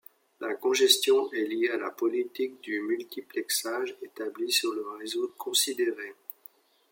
La congestion est liée à la politique du multiplexage établie sur le réseau considéré.